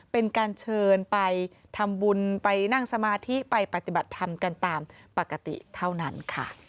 เป็นการเชิญไปทำบุญไปนั่งสมาธิไปปฏิบัติธรรมกันตามปกติเท่านั้นค่ะ